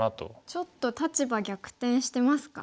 ちょっと立場逆転してますか？